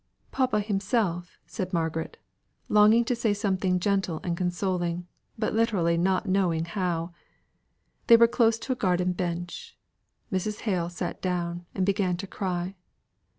"Papa himself," said Margaret, longing to say something gentle and consoling, but literally not knowing how. They were close to a garden bench. Mrs. Hale sat down and began to cry.